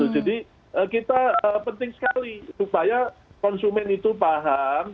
jadi kita penting sekali supaya konsumen itu paham